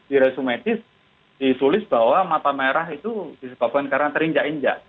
di resumedis ditulis bahwa mata merah itu disebabkan karena terinjak injak